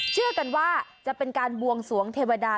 เชื่อกันว่าจะเป็นการบวงสวงเทวดา